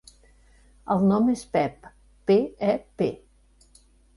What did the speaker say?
El nom és Pep: pe, e, pe.